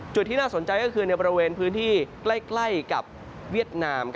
ที่น่าสนใจก็คือในบริเวณพื้นที่ใกล้กับเวียดนาม